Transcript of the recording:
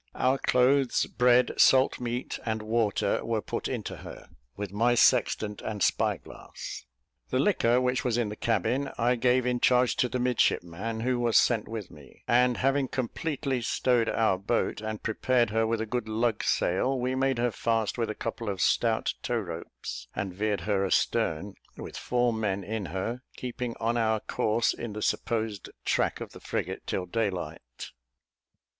Our clothes, bread, salt meat, and water, were put into her, with my sextant and spy glass. The liquor, which was in the cabin, I gave in charge to the midshipman who was sent with me; and, having completely stowed our boat, and prepared her with a good lug sail, we made her fast with a couple of stout tow ropes, and veered her astern, with four men in her, keeping on our course in the supposed track of the frigate till daylight.